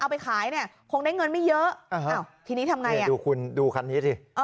เอาไปขายเนี้ยคงได้เงินไม่เยอะอ่าวทีนี้ทำไงเนี้ยดูคุณดูคันนี้สิเออ